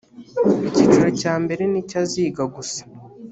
icyiciro cya mbere nicyo aziga gusa